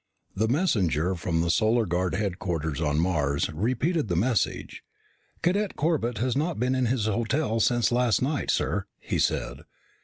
The messenger from the Solar Guard headquarters on Mars repeated the message. "Cadet Corbett has not been in his hotel since last night, sir," he said.